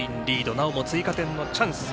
なおも追加点のチャンス。